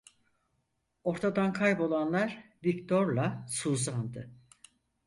Ortadan kaybolanlar Viktor'la Suzan'dı…